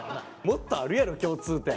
もっとあるやろ共通点。